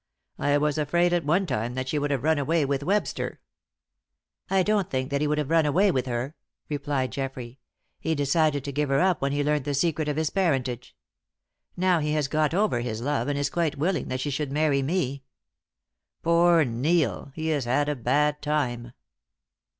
I was afraid at one time that she would have run away with Webster." "I don't think that he would have run away with her," replied Geoffrey. "He decided to give her up when he learnt the secret of his parentage. Now he has got over his love, and is quite willing that she should marry me. Poor Neil! He has had a bad time."